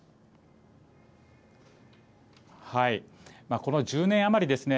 この１０年余りですね